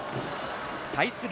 対する